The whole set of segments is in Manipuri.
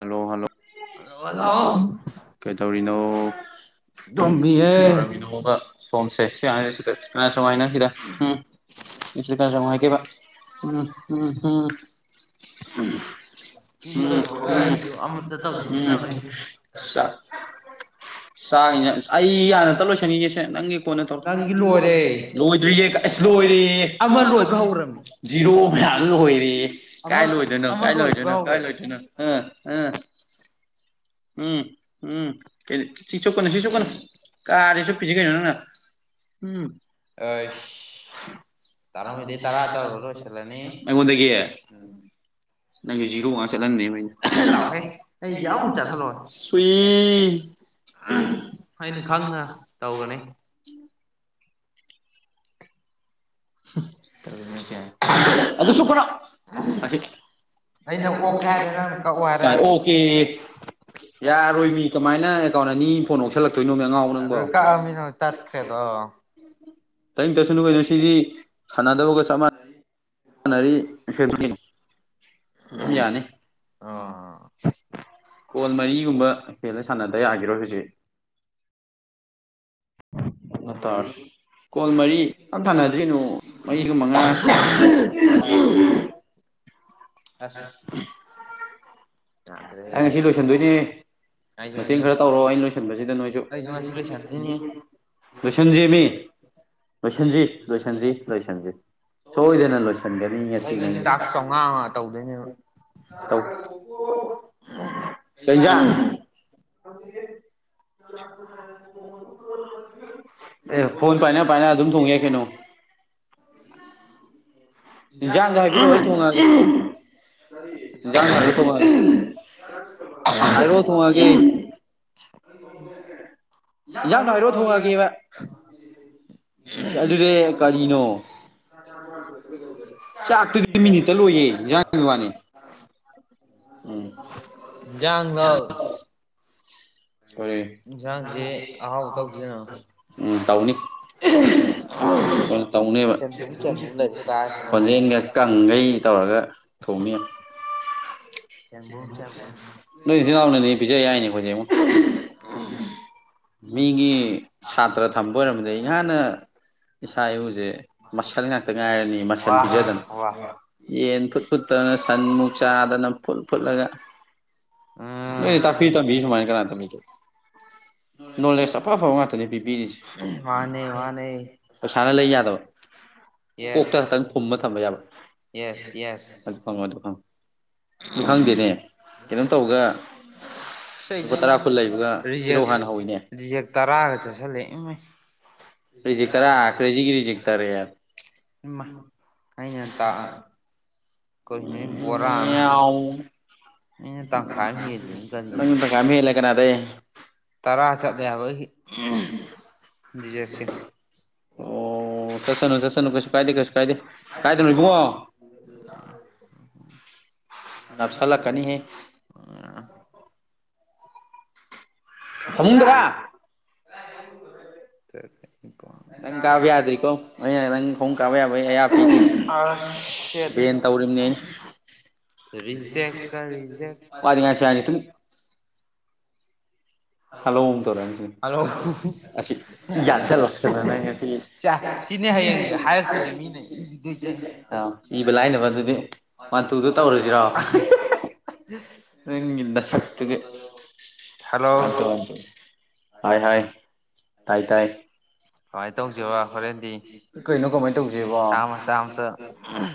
ꯍꯜꯂꯣ ꯍꯜꯂꯣ ꯀꯩꯗꯧꯔꯤꯅꯣ ꯀꯩꯗꯧꯔꯝꯃꯤꯅꯣꯕ ꯁꯣꯝꯁꯦ ꯁꯤ ꯁꯤꯗ ꯀꯅꯥ ꯁꯨꯃꯥꯏꯅ ꯁꯤꯗ ꯎ ꯀꯌꯥ [unintelligible] ꯎꯝ ꯎꯝ [unintelligible] ꯎꯝ ꯎꯝ ꯆꯥꯛꯅ ꯑꯁ ꯑꯩ ꯍꯥꯟꯅꯇ ꯂꯣꯏꯁꯟꯒꯦꯁꯦ ꯅꯪꯒꯤ ꯀꯣꯟꯅ ꯇꯧꯔꯛ ꯂꯣꯏꯗ꯭ꯔꯤꯌꯦ ꯑꯦꯁ ꯂꯣꯏꯔꯦꯌꯦ [unintelligible] ꯖꯤꯔꯣ ꯃꯌꯥꯝꯖꯦ ꯂꯣꯏꯔꯦꯌꯦ꯫ ꯀꯥꯏ ꯂ ꯑꯣꯏꯗꯅꯣ ꯀꯥꯏ ꯂ ꯑꯣꯏꯗꯅꯣ ꯀꯥꯏ ꯂꯣꯏꯗꯅꯣ ꯎ ꯎꯝ ꯎꯝ ꯁꯤ ꯆꯨꯞꯀꯅꯨ ꯁꯤ ꯆꯨꯞꯀꯅꯨ ꯀꯥꯗꯤ ꯆꯨꯞꯄꯤꯁꯤ ꯀꯩꯅꯣ ꯅꯪꯅ ꯎꯝ ꯑꯩꯉꯣꯟꯗꯒꯤ ꯅꯪꯒꯤ ꯖꯤꯔꯣ ꯉꯥꯛ ꯆꯠꯂꯝꯅꯤ ꯑꯗꯨꯒꯤ ꯁꯨꯏ ꯑꯝ ꯍꯥꯏ ꯇꯧꯒꯅꯤ ꯇꯧꯅꯤꯒꯥꯏꯅ ꯑꯗꯨ ꯆꯨꯞꯀꯅꯣ ꯃꯁꯤ ꯑꯣꯀꯦ ꯌꯥꯔꯣꯏꯃꯤ ꯀꯃꯥꯏꯅ ꯑꯦꯀꯥꯎꯟ ꯑꯅꯤ ꯐꯣꯟ ꯉꯧꯁꯜꯂꯛꯇꯣꯏꯅꯣꯅꯦ ꯑꯉꯥꯎꯕ ꯅꯪꯕꯣ ꯇꯠꯈꯔꯦꯗꯣ ꯇꯠꯅꯤꯡ ꯇꯠꯁꯅꯨ ꯀꯩꯅꯣ ꯁꯤꯗꯤ ꯁꯥꯟꯅꯗꯕꯒ ꯆꯞ ꯃꯥꯟꯅꯔꯤ [unintelligible] ꯑꯗꯨ ꯌꯥꯅꯤ ꯎꯝ ꯀꯣꯜ ꯃꯔꯤꯒꯨꯝꯕ ꯍꯦꯟꯅ ꯁꯥꯟꯅꯗ ꯌꯥꯈꯤꯔꯣ ꯍꯧꯖꯤꯛ ꯂ ꯇꯔ ꯀꯣꯜ ꯃꯔꯤ ꯌꯥꯝ ꯊꯥꯅꯗ꯭ꯔꯤꯅꯣ ꯃꯩꯒ ꯃꯉꯥ ꯁꯗ ꯑꯁ ꯌꯗ꯭ꯔꯦ ꯃꯇꯦꯡ ꯈꯔ ꯇꯧꯔꯣ ꯑꯩꯅ ꯂꯣꯏꯁꯤꯟꯕꯁꯤꯗ ꯅꯣꯏꯁꯨ ꯁꯟꯖꯤꯕꯤ ꯂꯣꯏꯁꯤꯟꯁꯤ ꯂꯣꯏꯁꯤꯟꯁꯤ ꯂꯣꯏꯁꯤꯟꯁꯤ ꯁꯣꯏꯗꯅ ꯂꯣꯏꯁꯤꯟꯒꯅꯤ ꯉꯁꯤ [unintelligible] ꯇꯧ꯫ ꯀꯩꯖꯥꯡ ꯑꯦ ꯐꯣꯟ ꯄꯥꯏꯅ ꯄꯥꯏꯅ ꯑꯗꯨꯝ ꯊꯣꯡꯉꯦ ꯀꯩꯅꯣ ꯏꯟꯖꯥꯡꯗꯣ ꯍꯥꯏꯕꯤꯔꯛꯑꯣ ꯑꯩ ꯊꯣꯡꯕꯤꯔꯛꯑꯒꯦ꯫ ꯏꯟꯖꯥꯡ ꯍꯥꯏꯔꯣ ꯊꯣꯡꯉꯒꯦ ꯍꯥꯏꯔꯣ ꯊꯣꯡꯉꯒꯦ [unintelligible] ꯏꯁ ꯑꯗꯨꯗꯤ ꯀꯔꯤꯅꯣ ꯇꯣ [unintelligible] ꯆꯥꯛꯇꯨꯗꯤ ꯃꯤꯅꯤꯠꯇ ꯂꯣꯏꯌꯦ ꯏꯟꯖꯥꯡꯒꯤ ꯋꯥꯅꯤ ꯎꯝ ꯍ [unintelligible] ꯍꯔꯦ ꯎꯝ ꯗꯎꯅꯤ [unintelligible] ꯎ [unintelligible] ꯐꫭꯟ ꯇꯧꯅꯦꯕ ꯈꯣꯟꯖꯦꯜꯒ ꯀꯪꯒꯩ ꯇꯧꯔꯒ ꯊꯣꯡꯅꯤ ꯅꯣꯏ ꯏꯆꯤꯟꯜ ꯏꯅꯥꯎꯅꯅꯦ ꯄꯤꯖ ꯌꯥꯏꯅꯦ ꯑꯩꯈꯣꯏꯁꯩ ꯑꯃꯨꯛ [unintelligible] ꯃꯤꯒꯤ ꯁꯥꯇ꯭ꯔ ꯊꯝꯕ ꯑꯣꯏꯔꯔꯕꯗ ꯑꯩ ꯉꯍꯥꯟꯅ ꯏꯁꯥ ꯏꯎꯁꯦ ꯃꯁꯟ ꯉꯥꯛꯇ ꯉꯥꯏꯔꯅꯤ ꯃꯁꯟ ꯄꯤꯖꯗꯅ ꯌꯦꯟ ꯐꯨꯠ ꯐꯨꯠꯇꯅ ꯁꯟ ꯑꯃꯨꯛ ꯆꯥꯥꯗꯅ ꯐꯨꯠ ꯐꯨꯠꯂꯒ ꯅꯣꯏꯗ ꯇꯥꯛꯄꯤ ꯇꯝꯕꯤꯔꯤ ꯁꯨꯃꯥꯏꯅ ꯀꯅꯥ ꯇꯝꯕꯤꯒꯦ ꯅꯣꯂꯦꯖ ꯑꯐ ꯑꯐꯕ ꯉꯥꯛꯇꯅꯦ ꯄꯤꯕꯤꯔꯤꯁꯦ ꯄꯩꯁꯥꯅ ꯂꯩ ꯌꯥꯗꯕ ꯀꯣꯛꯇ ꯈꯛꯇꯪ ꯐꯨꯝꯃ ꯊꯝꯕ ꯌꯥꯕ ꯑꯗꯨ ꯈꯪꯉꯣ ꯑꯗꯨ ꯈꯪꯉꯣ ꯑꯗꯨ ꯈꯪꯗꯦꯅꯦ ꯀꯩꯅꯣꯝ ꯇꯧꯒ ꯂꯨꯄꯥ ꯇꯔꯥ ꯀꯨꯟ ꯂꯩꯕꯒ ꯄꯤꯔꯛꯑꯣ ꯍꯥꯟꯅ ꯍꯧꯋꯤꯅꯦ ꯔꯤꯖꯤꯛ ꯇꯔꯥ ꯀ꯭ꯔꯦꯖꯤꯒꯤ ꯔꯤꯖꯤꯛ ꯇꯔꯦꯠ ꯏꯃꯥ ꯑꯩꯅ ꯇꯥꯛꯁ ꯀꯩꯅꯣ ꯕꯣꯔꯥ ꯑꯝꯃ ꯅꯪꯅ ꯇꯥꯪꯈꯥꯏ ꯑꯃ ꯍꯦꯜꯂꯦ ꯀꯅꯥꯗꯩ ꯇꯔꯥ ꯆꯠꯂꯦ ꯍꯥꯏꯕ ꯑꯩꯒꯤ [unintelligible] ꯑꯣ ꯆꯠꯁꯅꯨ ꯆꯠꯁꯅꯨ ꯀꯩꯁꯨ ꯀꯥꯏꯗꯦ ꯀꯩꯁꯨ ꯀꯥꯏꯗꯦ ꯀꯥꯏꯗꯅꯣ ꯏꯕꯨꯡꯉꯣ ꯁ [unintelligible] ꯅꯞꯁꯟꯂꯛꯀꯅꯤꯍꯦ ꯎꯝ [unintelligible] ꯎꯝ [unintelligible] ꯁꯤꯠ ꯔꯔꯤꯖꯦꯛ ꯀꯩ ꯔꯖꯦꯛ ꯍꯜꯂꯣ ꯃꯨꯛ ꯇꯧꯔꯛꯑꯅꯤ ꯑꯁꯤꯅ ꯑꯁꯤ ꯌꯥꯟꯖꯜꯂꯛꯇꯅ ꯅꯪ ꯉꯑꯁꯤ꯫ ꯑꯧ ꯏꯕ ꯂꯥꯏꯅꯕ ꯑꯗꯨꯗꯤ ꯋꯥꯟꯇꯨꯗꯨ ꯇꯧꯔꯁꯤꯔꯣ ꯎ [unintelligible] ꯅꯪꯒꯤ ꯅꯁꯛꯇꯨꯒ ꯁꯠꯇꯒ [unintelligible] ꯍꯥꯏ ꯍꯥꯏ ꯇꯥꯏ ꯇꯥꯏ ꯀꯩꯅꯣ ꯀꯃꯥꯏꯅ ꯇꯧꯁ‌ꯦꯕꯣ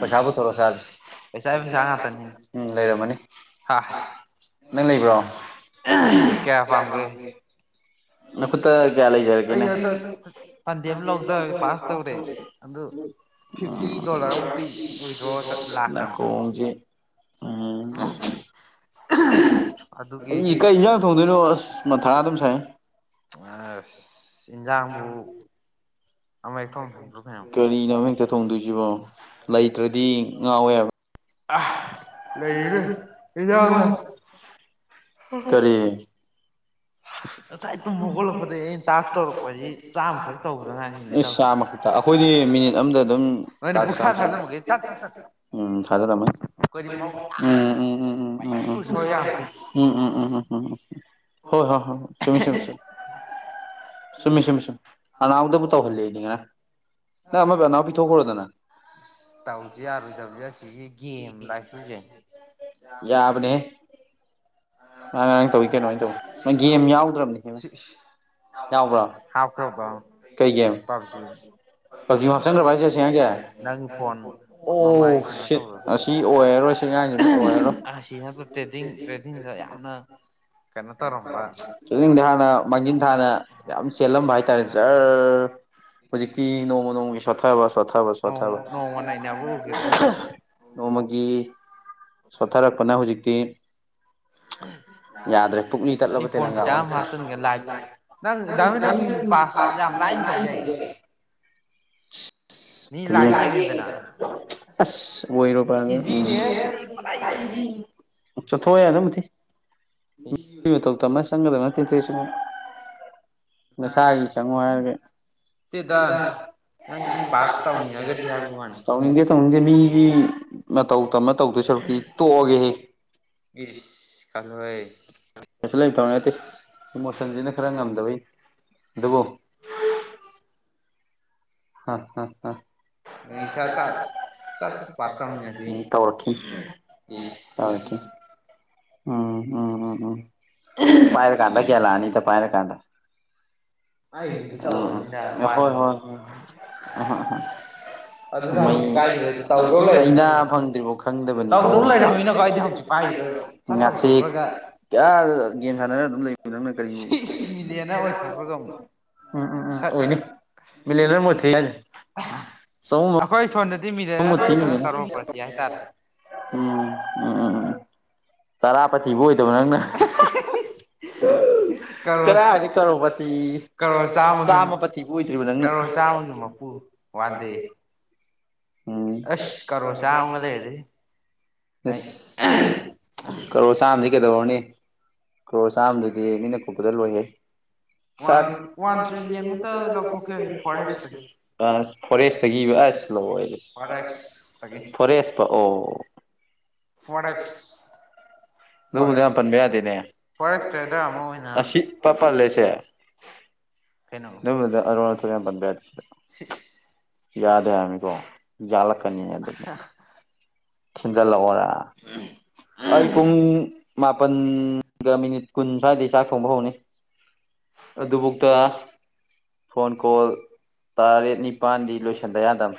ꯄꯩꯁ ꯄꯨꯊꯣꯔꯛꯎꯑꯣ ꯆꯁꯦ ꯄꯩꯁꯥꯏ ꯄꯩꯁꯥ ꯉꯥꯛꯇꯅꯤꯅꯦ ꯎꯝ ꯂꯩꯔꯝꯃꯅꯤ ꯅꯪ ꯂꯩꯕ꯭ꯔꯣ ꯅꯈꯨꯠꯇ ꯀꯌꯥ ꯂꯩ ꯁꯖꯔꯒꯦꯅꯦ [unintelligible] ꯅꯀꯣꯡꯖꯦ ꯎꯝ꯫ ꯑꯩ ꯀꯩ ꯏꯟꯖꯥꯡ ꯊꯣꯡꯗꯣꯏꯅꯣ ꯑꯁ ꯃꯊꯥ ꯗꯨꯝ ꯁꯥꯏꯍ‌ꯦ꯫ ꯑꯁ ꯏꯟꯖꯥꯡꯕꯨ ꯀꯔꯤꯅꯣ ꯑꯃ ꯍꯦꯛꯇ ꯊꯣꯡꯗꯣꯏꯁꯤꯕꯣ ꯂꯩꯇ꯭ꯔꯗꯤ ꯉꯥꯎꯋꯦꯕ ꯑꯥ ꯂꯩ ꯂꯩ ꯏꯟꯖꯥꯡ ꯂꯩ ꯀꯔꯤ ꯉꯁꯥꯏ ꯇꯨꯝ ꯍꯧꯒꯠꯂꯛꯄꯗꯒꯤ ꯑꯩꯅ ꯇꯥꯛꯁ ꯇꯧꯔꯛꯄꯁꯤ ꯆꯥꯝꯃꯈꯛ ꯇꯧꯕꯗ ꯉꯥꯏꯔꯤꯅꯦ ꯇꯧꯔꯤꯁꯦ ꯑꯩꯈꯣꯏꯗꯤ ꯃꯤꯅꯤꯠ ꯑꯃꯗ ꯑꯗꯨꯝ ꯇꯥꯛꯁ ꯆꯥꯝ ꯆꯅꯤ ꯎꯝ ꯊꯥꯗꯔꯝꯃꯅꯤ ꯎꯝ ꯎꯝ ꯎꯝ ꯎꯝ ꯎꯝ ꯎꯝ ꯎꯝ ꯎꯝ ꯎꯝ ꯎꯝ ꯎꯝ ꯍꯣꯏ ꯍꯣꯏ ꯍꯣꯏ ꯍꯣꯏ ꯆꯨꯨꯝꯃꯤ ꯆꯨꯨꯝꯃꯤ ꯆꯨꯝꯃꯤ ꯆꯨꯝꯃꯤ ꯁꯨꯝ ꯑꯂꯥꯎꯗꯕꯨ ꯇꯧꯍꯜꯂꯦ ꯑꯩꯗꯤ ꯉꯔꯥꯡ ꯅ ꯑꯃ ꯕꯦꯅꯥꯎ ꯄꯤꯊꯣꯛꯈ꯭ꯔꯣꯗꯅ ꯇꯧꯁꯤ ꯌꯥꯔꯣꯏꯗꯕꯖꯦ ꯑꯁꯤꯒꯤ ꯒꯦꯝ ꯂꯥꯏꯆꯨꯖꯦ ꯌꯥꯕꯅꯦꯍꯦ꯫ ꯃꯥ ꯉꯔꯥꯡ ꯇꯧꯏ ꯀꯩꯅꯣ ꯑꯩꯅ ꯇꯧꯋ ꯃꯥ ꯒꯦꯝ ꯌꯥꯎꯗ꯭ꯔꯕꯅꯤꯍꯦ ꯚꯥꯏ ꯌꯥꯎꯕ꯭ꯔꯣ ꯀꯩ ꯒꯦꯝ ꯎꯝ ꯅꯪ ꯐꯣꯟ ꯃꯃꯥꯏ ꯀꯥꯅꯣ ꯑꯦ ꯑꯁꯤ ꯑꯣꯏꯔꯔꯣꯏ ꯁꯤ ꯑꯉꯥꯡꯖꯤꯃ ꯑꯣꯏꯔꯔꯣꯏ꯫ ꯑꯁꯤ ꯅꯠꯇ ꯇꯦꯗꯤꯡ ꯇ꯭ꯔꯦꯗꯤꯡꯗ ꯌꯥꯝꯅ [unintelligible] ꯆꯠꯅꯤꯡꯗꯦ ꯍꯥꯟꯅ ꯃꯥꯡꯖꯤꯟ ꯊꯥꯅ ꯌꯥꯝ ꯆꯦꯜꯂꯝꯕ ꯍꯥꯏꯇꯥꯔꯦ ꯖꯔ꯫ ꯍꯧꯖꯤꯛꯇꯤ ꯅꯣꯡꯃ ꯅꯣꯡꯃꯒꯤ ꯁꯣꯊꯕ ꯁꯣꯊꯕ ꯁꯣꯊꯕ ꯅꯣꯡꯃꯒꯤ ꯁꯣꯊꯔꯛꯄꯅ ꯍꯧꯖꯤꯛꯇꯤ ꯑꯩ ꯐꯣꯟ ꯄꯩꯁꯥ ꯑꯃ ꯍꯥꯞꯆꯤꯟꯒꯦ ꯂꯥꯏ ꯅꯪ ꯗꯥꯃ ꯅꯪꯒꯤ ꯄꯥꯁ ꯌꯥꯝ ꯂꯥꯏꯅ ꯇꯧꯒꯦ ꯌꯥꯏꯌꯦ꯫ ꯑꯁ ꯇꯨꯂꯦ ꯑꯁ ꯑꯣꯏꯔꯣꯏ ꯄꯥ [unintelligible] [unintelligible] ꯆꯠꯊꯣꯛꯑꯣ ꯌꯥꯔꯦ ꯃꯨꯊꯤ꯫ ꯃꯤ ꯃꯇꯧ ꯇꯝꯃꯒ ꯆꯪꯒꯗꯕꯅꯠꯇꯦ [unintelligible] ꯆꯪꯉꯣ꯫ ꯂꯩꯁꯥꯒꯤ ꯆꯪꯉꯣ ꯍꯥꯏꯔꯒꯦ [unintelligible] [unintelligible] ꯇꯧꯅꯤꯡꯗꯦ ꯇꯧꯗꯦ ꯃꯤꯒꯤ ꯃꯇꯧ ꯇꯝꯃ ꯇꯧꯗꯣꯏ ꯁꯔꯨꯛꯛꯇꯤ ꯇꯣꯛꯑꯒꯦꯍꯦ ꯏꯁ꯫ ꯀꯩꯁꯨ ꯂꯩꯕ ꯊꯕꯛ ꯅꯠꯇꯦ ꯏꯃꯣꯁꯟꯖꯤꯅ ꯈꯔ ꯉꯝꯗꯕꯩ ꯑꯗꯨꯕꯨ ꯍꯥ ꯍꯥ ꯍꯥ꯫ ꯅꯤꯁꯥꯆꯥꯠ ꯃꯤ ꯇꯧꯔꯛꯈꯤꯅꯤ ꯇꯧꯔꯛꯈꯤꯅꯤ ꯎꯝ ꯎꯝ ꯎꯝ ꯎꯝ ꯄꯥꯏꯔ ꯀꯥꯟꯗ ꯒꯌꯥꯟ ꯂꯥꯛꯑꯅꯤꯗ ꯄꯥꯏꯔ ꯀꯥꯟꯗ꯫ ꯎꯝ ꯎꯝ ꯍꯣꯏ ꯍꯣꯏ ꯍꯣꯏ [unintelligible] ꯃꯩ [unintelligible] ꯆꯩꯅ ꯐꯪꯗ꯭ꯔꯤꯕꯥꯎ ꯈꯪꯗꯕꯅꯤꯀꯣ [unintelligible] ꯉꯁꯤ ꯀꯌꯥ ꯒꯦꯝ ꯁꯥꯟꯅꯔ ꯑꯗꯨꯝ ꯂꯩꯕ ꯅꯪꯅ ꯀꯔꯤꯕꯨ [unintelligible] ꯎꯝ ꯎꯝ ꯎꯝ ꯑꯣꯏꯅꯤ ꯃꯤ ꯂꯦꯔꯅ ꯃꯨꯊꯤ ꯍꯥꯏꯖꯦ ꯁꯑꯣꯝ ꯑꯩꯈꯣꯏ ꯁꯣꯟꯗꯗꯤ [unintelligible] ꯀꯔꯣꯔ ꯄꯇꯤ ꯍꯥꯏꯇꯥꯔꯦ ꯎꯝ [unintelligible] ꯇꯔꯥ ꯄꯇꯤꯕꯨ ꯑꯣꯏꯗꯕ ꯅꯪꯅ [unintelligible] [unintelligible] ꯀꯔꯣꯔ ꯆꯥꯝꯃꯒꯤ ꯀꯔꯣꯔ ꯆꯥꯝꯃꯒꯤ ꯃꯄꯨ ꯋꯥꯟꯗꯦ꯫ ꯎꯝ ꯏꯁꯁ ꯀꯔꯣꯔ ꯆꯥꯝꯗꯤ ꯀꯩꯗꯧꯔꯨꯅꯤ ꯀ꯭ꯔꯣꯔ ꯆꯥꯝꯗꯨꯗꯤ ꯃꯤꯠꯅ ꯀꯨꯞꯄꯗ ꯂꯣꯏꯍꯦ꯫ ꯁꯠ [unintelligible] ꯑꯁ ꯐꯣꯔꯦꯁꯇꯒꯤꯕ ꯑꯁ ꯂꯣꯏꯔꯦ ꯐꯣꯔꯦꯁ ꯄ ꯑꯣ ꯐꯣꯔꯦꯛꯁ ꯅꯧꯕꯗ ꯌꯥꯝ ꯄꯟꯕ ꯌꯥꯗꯦꯅꯦ [unintelligible] ꯑꯁꯤ ꯄ ꯄꯥꯜꯂꯦꯁꯦ ꯗꯨꯕꯗ ꯑꯔꯣꯟ ꯑꯊꯣꯛ ꯌꯥꯝ ꯄꯟꯕ ꯌꯥꯗꯦ ꯁꯤꯗ ꯌꯥꯗꯦ ꯍꯥꯏꯔꯃꯤꯀꯣ ꯌꯥꯠꯂꯛꯀꯅꯤ ꯑꯗꯩꯗꯤ ꯊꯤꯟꯖꯜꯂꯛꯑꯣꯔꯥ ꯑꯩ ꯄꯨꯡ ꯃꯥꯄꯟꯒ ꯃꯤꯅꯤꯠ ꯀꯨꯟ ꯁ꯭ꯋꯥꯏꯗꯒꯤꯩ ꯆꯥꯛ ꯊꯣꯡꯕ ꯍꯧꯅꯤ ꯑꯗꯨꯕꯨꯛꯇ꯫ ꯐꯣꯟ ꯀꯣꯜ ꯇꯔꯦꯠ ꯅꯤꯄꯥꯟꯗꯤ ꯂꯣꯏꯁꯟꯗ ꯌꯥꯗꯕꯅꯤ꯫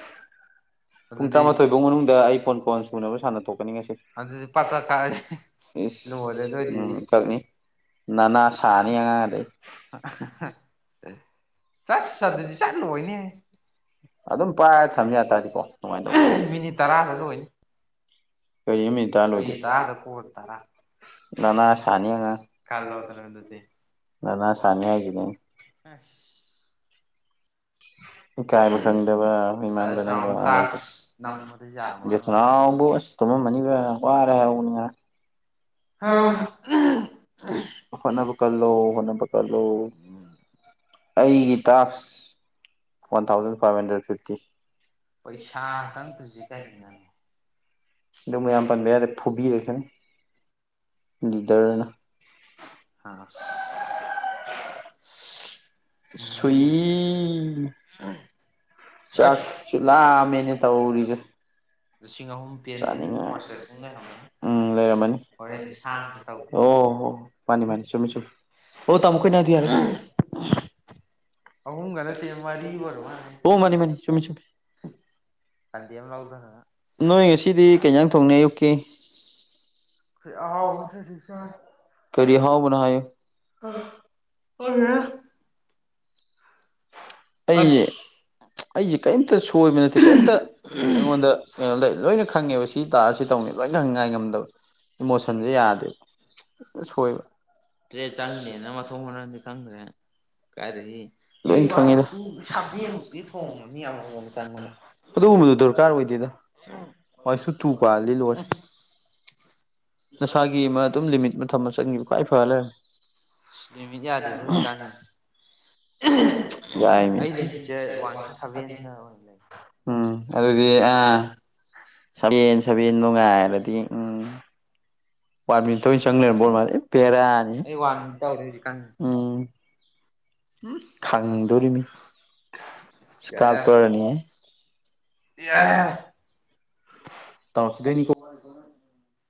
ꯄꯨꯡ ꯇꯔꯥꯃꯥꯊꯣꯏ ꯐꯥꯎ ꯃꯅꯨꯡꯗ ꯑꯩ ꯐꯣꯟ ꯀꯣꯟ ꯁꯨꯅꯕ ꯁꯥꯟꯅ ꯊꯣꯛꯀꯅꯤ ꯉꯁꯤ ꯎꯝ ꯀꯛꯅꯤ ꯅꯅꯥ ꯁꯥꯅꯤ ꯑꯉꯥꯡ ꯑꯗꯩ ꯆꯁ ꯑꯗꯨꯗꯤ ꯆꯠꯂꯣꯏꯅꯦꯍꯦ꯫ ꯃꯤꯅꯤꯠ ꯇꯔꯥꯗ ꯂꯣꯏꯅꯤ ꯀꯩꯅꯨꯃꯤꯠꯇ ꯂꯣꯏꯒꯦ [unintelligible] ꯅꯅꯥ ꯁꯥꯅꯤ ꯑꯉ ꯅꯅꯥ ꯁꯥꯅꯤ ꯍꯥꯏꯁꯤꯅꯦ ꯑꯁ [inaudible] ꯏꯀꯥꯏꯕ ꯈꯪꯗꯕ ꯑꯩꯈꯣꯏꯃꯥꯟꯗꯅ ꯊꯅꯥꯎꯕꯨ ꯑꯁ ꯇꯨꯝꯃꯝꯃꯅꯤꯒ ꯋꯥꯔꯦ ꯍꯅꯤꯉ ꯍ ꯍꯣꯠꯅꯕ ꯀꯜꯂꯨ ꯍꯣꯠꯅꯕ ꯀꯜꯂꯣ꯫ ꯑꯩꯒꯤ tax one thousand five hundred fifty. [unintelligible] ꯑꯗꯨꯝ ꯃꯌꯥꯝ ꯄꯟꯕ ꯌꯥꯗ ꯐꯨꯕꯤꯔꯁꯅ ꯂꯤꯗꯔꯅ ꯑꯁ ꯁꯨꯏ ꯆꯥꯛ꯫ ꯁ ꯂꯥꯑꯝꯃꯦꯅ ꯇꯧꯔꯤꯁꯦ ꯆꯥꯅꯤꯡꯉꯥꯏ [unintelligible] ꯎꯝ ꯂꯩꯔꯝꯃꯅꯤ [unintelligible] ꯑꯣ ꯍꯣ꯫ ꯃꯥꯅꯤ ꯃꯥꯅꯤ ꯆꯨꯝꯃꯤ ꯆꯨꯝꯃꯤ ꯑꯣ ꯇꯥꯃꯣꯈꯣꯏꯅ ꯍꯥꯏꯔꯗꯤ ꯌꯥꯔꯦ ꯀꯩꯅꯣ꯫ ꯑꯣ ꯃꯥꯅꯤ ꯃꯥꯅꯤ ꯆꯨꯝꯃꯤ ꯆꯨꯝꯃꯤ ꯀꯗꯤꯌꯥ ꯑꯃ ꯂꯧꯥꯎꯗ ꯀꯔꯤ ꯍꯥꯎ ꯅꯥꯏ [unintelligible] ꯑꯩꯖꯦ ꯑꯩꯖꯦ ꯀꯏꯝꯇ ꯁꯣꯏꯕ ꯅꯠꯇꯦ ꯀꯏꯝꯇ꯫ ꯑꯩꯉꯣꯟꯗ ꯀꯩꯅꯣ ꯂꯩ ꯂꯣꯏꯅ ꯈꯪꯉꯦꯕ ꯁꯤ ꯇꯥꯛꯑꯁꯤ ꯇꯧꯅꯤ ꯂꯣꯏꯅ ꯈꯪꯉꯥꯏ ꯉꯝꯗꯕ ꯏꯃꯣꯁꯟꯁꯦ ꯌꯥꯗꯦꯕ ꯁꯣꯏꯕ ꯇ꯭ꯔꯦꯠ ꯆꯪꯗꯦꯅ ꯃꯊꯣꯡ ꯃꯅꯗꯤ ꯈꯪꯗ꯭ꯔꯦ ꯀꯥꯏꯗꯒꯤ ꯑꯩ ꯋꯥꯟ ꯇꯨ ꯁꯥꯚꯃꯨꯛꯇꯤ ꯊꯣꯡꯉ ꯑꯃꯅ ꯆꯥꯡ ꯃꯅ ꯎ ꯅꯁꯥꯒꯤ ꯑꯃ ꯑꯗꯨꯝ ꯂꯤꯃꯤꯠ ꯑꯃ ꯊꯝꯃ ꯆꯪꯉꯕ ꯈ꯭ꯋꯥꯏ ꯐꯍ ꯂꯩꯔꯦ [unintelligible] ꯌꯥꯃꯤ ꯎꯝ ꯑꯗꯨꯗꯤ ꯑ ꯁꯕꯦꯟ ꯁꯕꯦꯟ ꯅꯨꯡꯉꯥꯏꯔꯗꯤ ꯎꯝ ꯕꯠꯃꯤꯟꯇꯟ ꯆꯪꯅ ꯣꯜ ꯃꯥꯅꯦꯦ ꯄꯦꯔꯥꯅꯤ ꯎꯝ [unintelligible] [unintelligible] ꯏꯁꯀꯥꯞꯄꯔꯅꯤꯍꯦ [unintelligible] ꯇꯧꯔꯛꯇꯣꯏꯅꯤꯀꯣ꯫